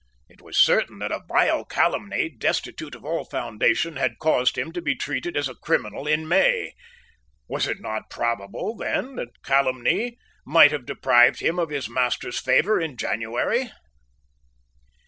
It was certain that a vile calumny, destitute of all foundation, had caused him to be treated as a criminal in May. Was it not probable, then, that calumny might have deprived him of his master's favour in January?